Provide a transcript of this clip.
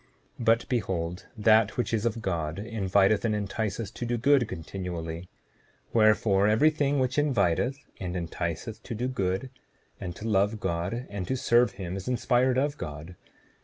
7:13 But behold, that which is of God inviteth and enticeth to do good continually; wherefore, every thing which inviteth and enticeth to do good, and to love God, and to serve him, is inspired of God.